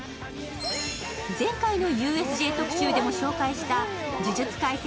前回のＵＳＪ特集でも紹介した「呪術廻戦」